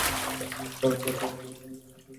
কারণ, তাতে আলিমগণ বিরক্ত হন ও বোকামি প্রকাশ পায়।